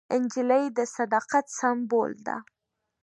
نجلۍ د صداقت سمبول ده.